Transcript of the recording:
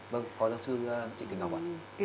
vâng phó giáo sư trịnh thị ngọc ạ